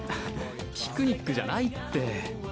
ピクニックじゃないって。